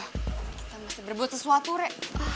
kita masih berbuat sesuatu rek